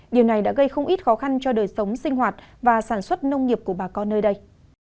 điều này đã gây không ít khó khăn cho đời sống sinh hoạt và sản xuất nông nghiệp của bà con nơi đây